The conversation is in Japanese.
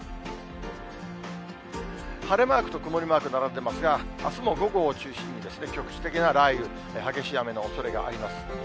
晴れマークと曇りマーク並んでますが、あすも午後を中心に、局地的な雷雨、激しい雨のおそれがあります。